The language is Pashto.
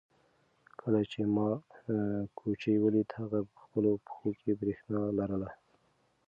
کله چې ما کوچۍ ولیده هغې په خپلو پښو کې برېښنا لرله.